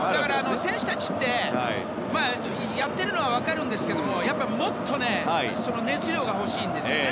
選手たちってやっているのは分かるんですけどもっと、熱量が欲しいんですね